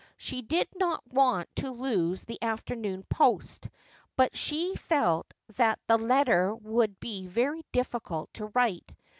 She did not want to lose the afternoon post, but she felt that the letter would be very difficult to write.